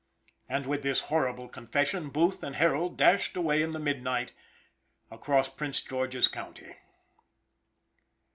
And with this horrible confession, Booth and Harold dashed away in the midnight, across Prince George's county.